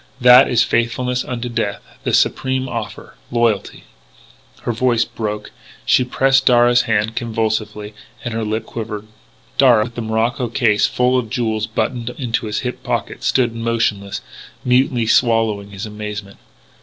That is 'faithfulness unto death' the supreme offer loyalty " Her voice broke; she pressed Darragh's hand convulsively and her lip quivered. Darragh, with the morocco case full of jewels buttoned into his hip pocket, stood motionless, mutely swallowing his amazement.